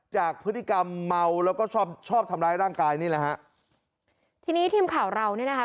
จากพฤติกรรมเมาแล้วก็ชอบชอบทำร้ายร่างกายนี่แหละฮะทีนี้ทีมข่าวเราเนี่ยนะคะ